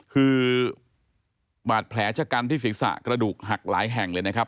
คือบาดแผลชะกันที่ศีรษะกระดูกหักหลายแห่งเลยนะครับ